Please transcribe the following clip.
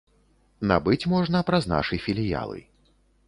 Набыць можна праз нашы філіялы.